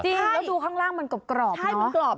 จริงแล้วดูข้างล่างมันกรอบเนอะใช่มันกรอบ